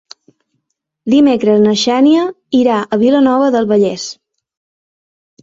Dimecres na Xènia irà a Vilanova del Vallès.